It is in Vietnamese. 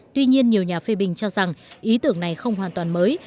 tuy nhiên nhiều nhà phê bình cho rằng ý tưởng này không hoàn toàn mới